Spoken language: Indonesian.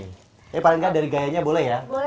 tapi paling nggak dari gayanya boleh ya